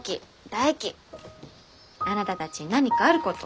大喜あなたたちに何かあること。